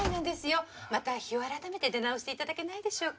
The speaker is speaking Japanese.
また日を改めて出直して頂けないでしょうか？